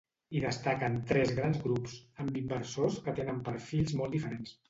Hi destaquen tres grans grups, amb inversors que tenen perfils molt diferents.